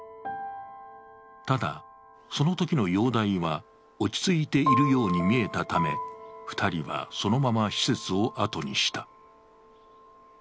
ただ、そのときの容体は落ち着いているように見えたため、２人は、そのまま施設を後にした。